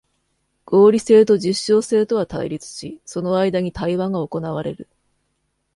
合理性と実証性とは対立し、その間に対話が行われる。